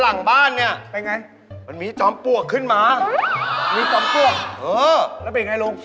แล้วเป็นอย่างไรลุง